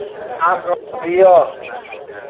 اَقاقیا